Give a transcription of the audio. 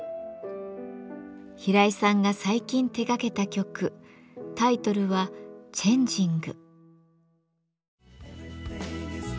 平井さんが最近手がけた曲タイトルは「Ｃｈａｎｇｉｎｇ」。